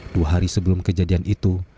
dua hari sebelum kejadian itu